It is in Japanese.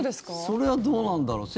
それはどうなんだろう？